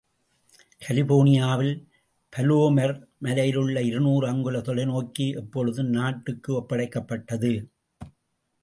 கலிபோர்னியாவில் பலோமர் மலையிலுள்ள இருநூறு அங்குல தொலைநோக்கி எப்பொழுது நாட்டுக்கு ஒப்படைக்கப்பட்டது?